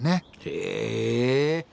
へえ。